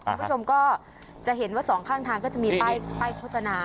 คุณผู้ชมก็จะเห็นว่าสองข้างทางก็จะมีป้ายโฆษณา